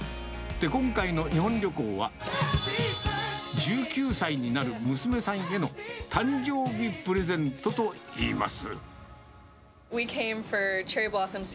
今回の日本旅行は、１９歳になる娘さんへの誕生日プレゼントといいます。